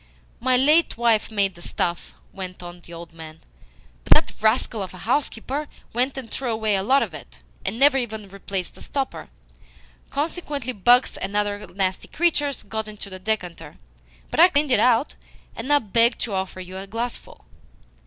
"My late wife made the stuff," went on the old man, "but that rascal of a housekeeper went and threw away a lot of it, and never even replaced the stopper. Consequently bugs and other nasty creatures got into the decanter, but I cleaned it out, and now beg to offer you a glassful."